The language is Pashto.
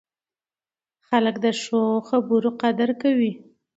خلک د ښو خبرو قدر کوي